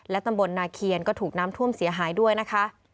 ตำบลนาเคียนก็ถูกน้ำท่วมเสียหายด้วยนะคะ